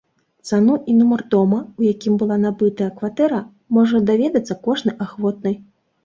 Цану і нумар дома, у якім была набытая кватэра, можа даведацца кожны ахвотны.